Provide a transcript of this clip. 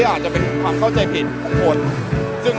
แต่ว่าเกิดว่าเข้าใจผิดจริงหรอ